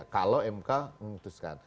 kalau mk memutuskan